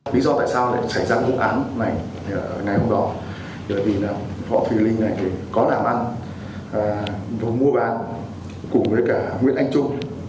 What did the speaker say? ví dụ tại sao lại xảy ra vụ án này ngày hôm đó vì võ thùy linh có làm ăn và mua bán cùng với nguyễn anh trung